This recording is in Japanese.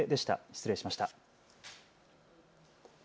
失礼しました。